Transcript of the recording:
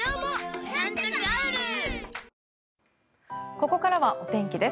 ここからはお天気です。